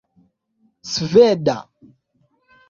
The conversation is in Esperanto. sveda